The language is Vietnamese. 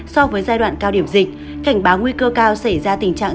so với giai đoạn cao điểm dịch cảnh báo nguy cơ cao xảy ra tình trạng